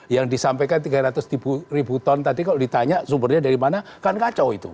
yang disampaikan tiga ratus ribu ton tadi kalau ditanya sumbernya dari mana kan kacau itu